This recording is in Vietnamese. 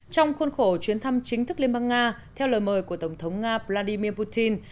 trong khuôn khổ chuyến thăm chính thức liên bang nga theo lời mời của tổng thống nga vladimir putin